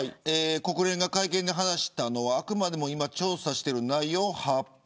国連が会見で話したのはあくまでも今、調査している内容の発表。